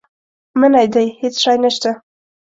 منی دی هېڅ شی نه شته.